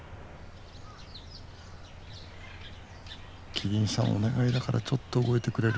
キリンさんお願いだからちょっと動いてくれる？